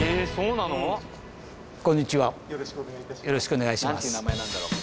よろしくお願いします。